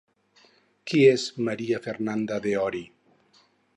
Qui és María Fernanda De Ori?